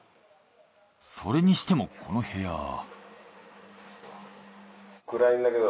それにしてもこの部屋。